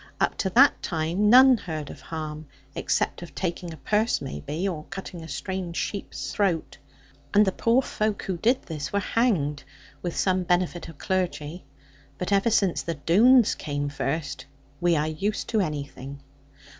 Up to that time none heard of harm; except of taking a purse, maybe, or cutting a strange sheep's throat. And the poor folk who did this were hanged, with some benefit of clergy. But ever since the Doones came first, we are used to anything.'